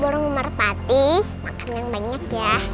burung merpati makan yang banyak ya